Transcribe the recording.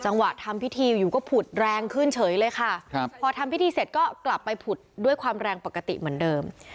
ทำพิธีอยู่ก็ผุดแรงขึ้นเฉยเลยค่ะครับพอทำพิธีเสร็จก็กลับไปผุดด้วยความแรงปกติเหมือนเดิม